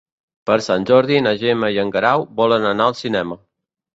Per Sant Jordi na Gemma i en Guerau volen anar al cinema.